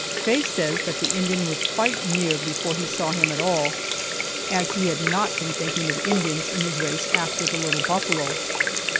Faye says that the Indian was quite near before he saw him at all, as he had not been thinking of Indians in his race after the little buffalo.